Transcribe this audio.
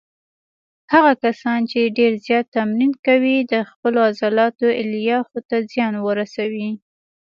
هغه کسان چې ډېر زیات تمرین کوي د خپلو عضلاتو الیافو ته زیان ورسوي.